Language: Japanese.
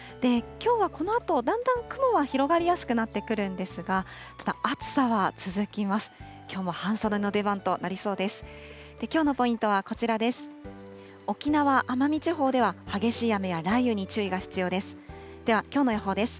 きょうはこのあと、だんだん雲は広がりやすくなってくるんですが、ただ暑さは続きます。